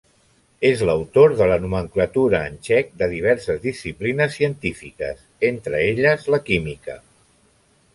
És l'autor de la nomenclatura en txec de diverses disciplines científiques, entre elles la química.